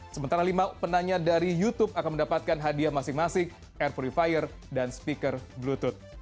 sementara lima penanya dari youtube akan mendapatkan hadiah masing masing air purifier dan speaker bluetooth